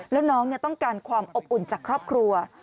แล้วน้องต้องการความอบอุ่นจากครอบครัว